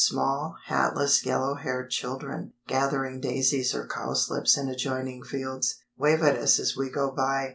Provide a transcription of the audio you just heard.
Small, hatless, yellow haired children, gathering daisies or cowslips in adjoining fields, wave at us as we go by.